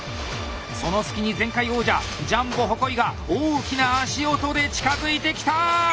その隙に前回王者ジャンボ鉾井が大きな足音で近づいてきた！